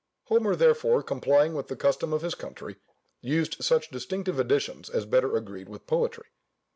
Homer, therefore, complying with the custom of his country, used such distinctive additions as better agreed with poetry.